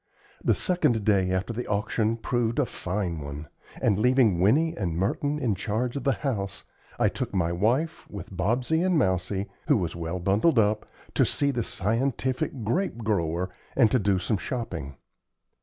The second day after the auction proved a fine one; and leaving Winnie and Merton in charge of the house, I took my wife, with Bobsey and Mousie, who was well bundled up, to see the scientific grape grower, and to do some shopping.